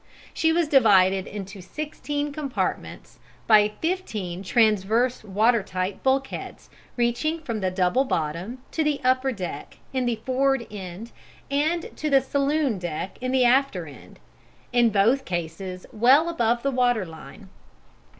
She was divided into 16 compartments by 15 transverse watertight bulkheads reaching from the double bottom to the upper deck in the forward end and to the saloon deck in the after end (Fig. 2), in both cases well above the water line.